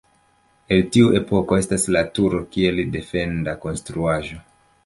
El tiu epoko estas la turo kiel defenda konstruaĵo.